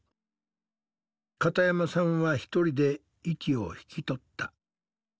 片山さんはひとりで息を引き取った。